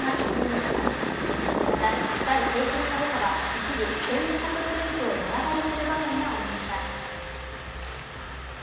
またダウ平均株価は一時１２００ドル以上値上がりする場面もありました。